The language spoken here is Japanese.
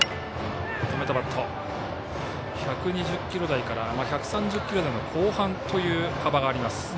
１２０キロ台から１３０キロ台の後半という幅があります。